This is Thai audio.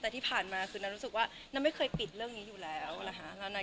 แต่ที่ผ่านมาคือนางรู้สึกว่านางไม่เคยปิดเรื่องนี้อยู่แล้วนะคะ